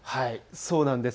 そうなんです。